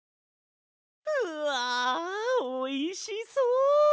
うわおいしそう！